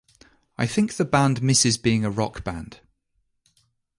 I think the band misses being a rock band.